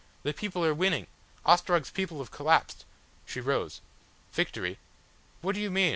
The people are winning. Ostrog's people have collapsed." She rose. "Victory?" "What do you mean?"